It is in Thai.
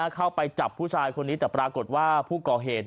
เข้าไปจับผู้ชายคนนี้แต่ปรากฏว่าผู้ก่อเหตุ